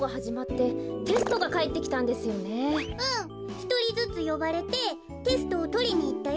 ひとりずつよばれてテストをとりにいったよ。